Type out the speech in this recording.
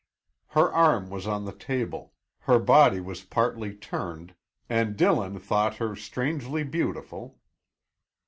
Her arm was on the table, her body was partly turned, and Dillon thought her strangely beautiful.